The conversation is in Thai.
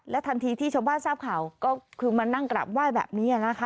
ทันทีที่ชาวบ้านทราบข่าวก็คือมานั่งกราบไหว้แบบนี้นะคะ